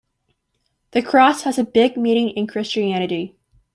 The cross has a big meaning in Christianity.